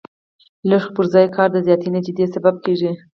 لږ خو پر ځای کار د زیاتې نتیجې سبب کېږي.